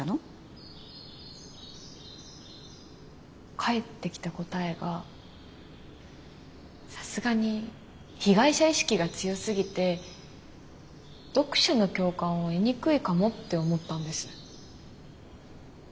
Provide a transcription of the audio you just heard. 返ってきた答えがさすがに被害者意識が強すぎて読者の共感を得にくいかもって思ったんです。